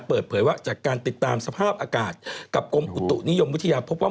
เปิดเผยว่าจากการติดตามสภาพอากาศกับกรมอุตุนิยมวิทยาพบว่า